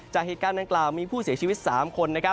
จากเหตุการณ์ดังกล่าวมีผู้เสียชีวิต๓คน